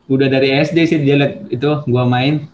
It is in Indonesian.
udah dari sd sih dia liat itu gua main